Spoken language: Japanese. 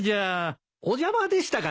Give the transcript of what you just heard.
お邪魔でしたかね。